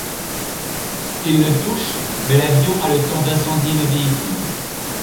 Il le touche, mais l'avion a le temps d'incendier le véhicule.